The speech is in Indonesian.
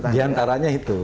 di antaranya itu